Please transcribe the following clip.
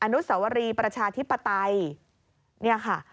อนุสวรีประชาธิปไตย